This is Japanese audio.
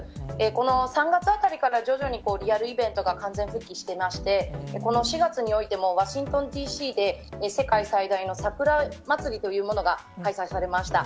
この３月あたりから徐々にリアルイベントが完全復帰してまして、この４月においても、ワシントンＤＣで、世界最大の桜祭りというものが開催されました。